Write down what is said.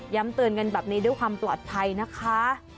เตือนกันแบบนี้ด้วยความปลอดภัยนะคะ